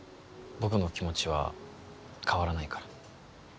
僕の気持ちは変わらないから